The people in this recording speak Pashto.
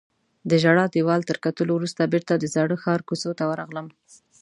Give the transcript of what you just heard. د ژړا دیوال تر کتلو وروسته بیرته د زاړه ښار کوڅو ته ورغلم.